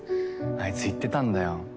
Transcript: あいつ言ってたんだよ